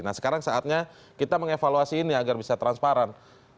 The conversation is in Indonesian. nah sekarang saatnya kita mengevaluasi ini agar bisa transparan